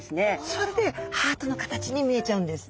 それでハートの形に見えちゃうんです。